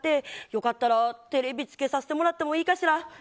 良かったら、テレビつけさせてもらってもいいかしら。